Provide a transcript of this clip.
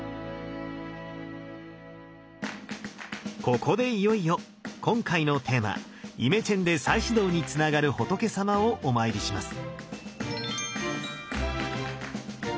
ここでいよいよ今回のテーマ「イメチェンで再始動」につながる仏様をお参りします。